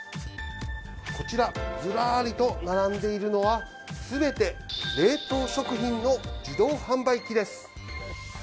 こちら、ずらーりと並んでいるのは、すべて冷凍食品の自動販売機です。